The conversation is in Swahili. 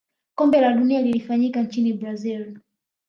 kombe la dunia lilifanyika nchini brazil